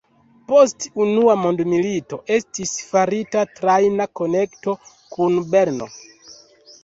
Post unua mondmilito estis farita trajna konekto kun Brno.